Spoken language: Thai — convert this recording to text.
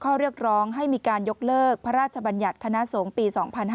ข้อเรียกร้องให้มีการยกเลิกพระราชบัญญัติคณะสงฆ์ปี๒๕๕๙